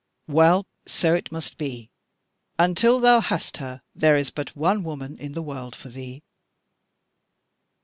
Well, so it must be, and till thou hast her, there is but one woman in the world for thee."